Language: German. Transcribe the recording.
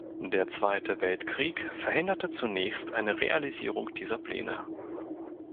Der Zweite Weltkrieg verhinderte zunächst eine Realisierung dieser Pläne.